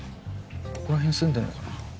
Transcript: ここら辺に住んでるのかな？